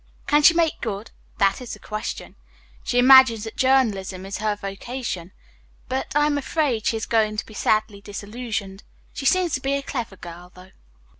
Can she make good? That is the question. She imagines that journalism is her vocation, but I am afraid she is going to be sadly disillusioned. She seems to be a clever girl, though."